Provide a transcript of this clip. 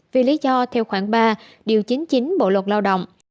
vì lý do theo khoảng ba điều chính chính bộ luật lao động